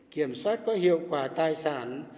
kiểm soát có hiệu quả tài sản